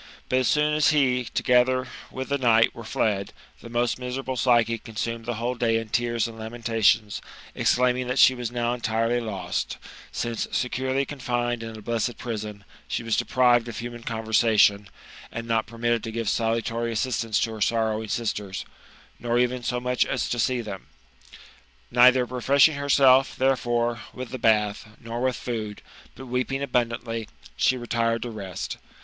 But as soon as he, together with the night, were fled, the most miserable Psyche consumed the whole day in tears and lamentations, exclaiming that she was now entirely lost, since, securely confined in a blessed prison, she was deprived of human conversation, and not permitted to give salutary assistance to her sorrowing sisters, nor even so much as to see them. Neither refreshing herself, therefore, with the bath, nor with food, but weeping abundantly, she retired to rest.